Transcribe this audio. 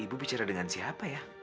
ibu bicara dengan siapa ya